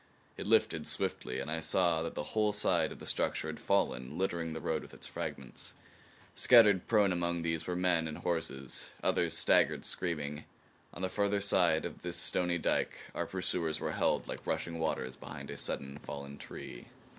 It lifted swiftly, and I saw that the whole side of the structure had fallen, littering the road with its fragments. Scattered prone among these were men and horses; others staggered, screaming. On the farther side of this stony dike our pursuers were held like rushing waters behind a sudden fallen tree.